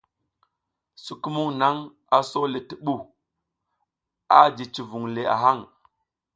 Sukumung nang aso le ti bu, a ji civing le a hang.